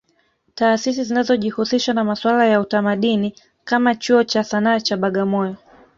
Taasisi zinazojihusisha na masuala ya utamadini kama Chuo cha Sana cha Bagamoyo